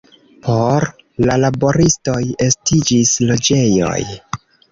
Por la laboristoj estiĝis loĝejoj.